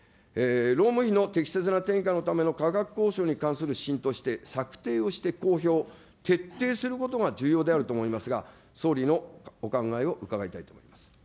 労務費の適切な転嫁のための価格交渉に関する指針として、策定をして公表、徹底することが重要であると思いますが、総理のお考えを伺いたいと思います。